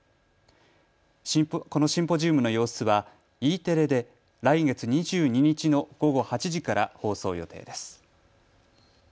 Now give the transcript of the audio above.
このシンポジウムの様子はＥテレで来月２２日の午後８時から放送予定です。